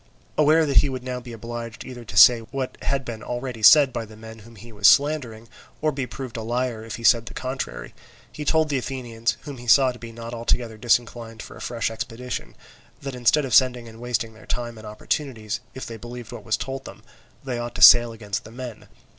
Aware that he would now be obliged either to say what had been already said by the men whom he was slandering, or be proved a liar if he said the contrary, he told the Athenians, whom he saw to be not altogether disinclined for a fresh expedition, that instead of sending and wasting their time and opportunities, if they believed what was told them, they ought to sail against the men.